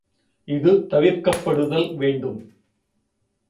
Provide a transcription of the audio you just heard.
இது தவிர்க்கப்படுதல் வேண்டும்.